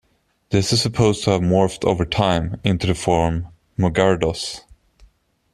This is supposed to have morphed over time into the form "Mugardos".